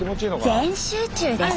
全集中です。